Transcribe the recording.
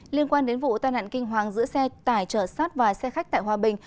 liên quan đến vụ tai nạn kinh hoàng giữa xe tải trở sát và xe khách tại hòa bình